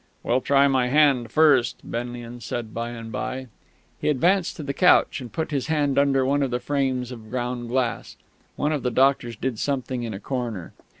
"We'll try my hand first," Benlian said by and by. He advanced to the couch, and put his hand under one of the frames of ground glass. One of the doctors did something in a corner.